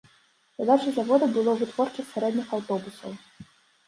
Задачай завода было вытворчасць сярэдніх аўтобусаў.